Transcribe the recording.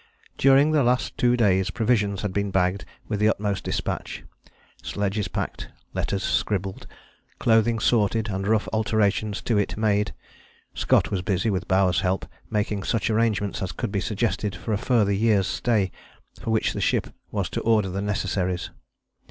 During the last two days provisions had been bagged with the utmost despatch; sledges packed; letters scribbled; clothing sorted and rough alterations to it made. Scott was busy, with Bowers' help, making such arrangements as could be suggested for a further year's stay, for which the ship was to order the necessaries.